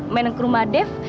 meneng ke rumah dev